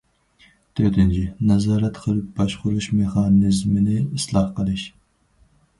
تۆتىنچى، نازارەت قىلىپ باشقۇرۇش مېخانىزمىنى ئىسلاھ قىلىش.